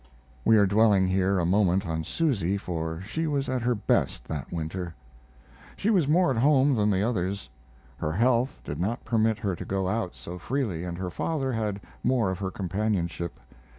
We are dwelling here a moment on Susy, for she was at her best that winter. She was more at home than the others. Her health did not permit her to go out so freely and her father had more of her companionship.